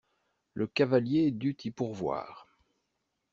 Le cavalier dut y pourvoir.